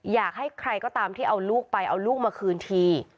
อยากให้ใครก็ตามที่เอาลูกไปเอาลูกมาคืนที